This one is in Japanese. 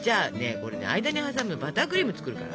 これ間に挟むバタークリーム作るから。